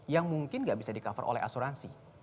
yang mungkin nggak bisa di cover oleh asuransi